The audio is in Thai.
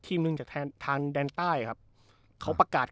หนึ่งจากทางแดนใต้ครับเขาประกาศ